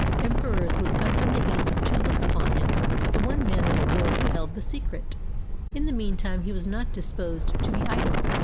Em perors would come from the East to look upon him the one man in the world who held the secret. In the meantime he was not disposed to be idle.